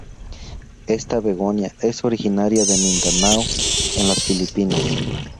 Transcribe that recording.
Esta begonia es originaria de Mindanao en las Filipinas.